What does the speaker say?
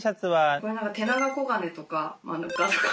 これ何かテナガコガネとかガとか。